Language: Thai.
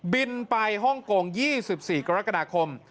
บินไปฮ่องกง๒๔กรกฎาคม